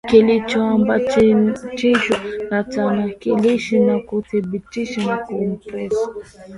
kilichoambatanishwa na tanakilishi na kudhibitiwa na kompresa